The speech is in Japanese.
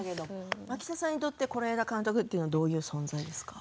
蒔田さんにとって是枝監督はどういう存在ですか？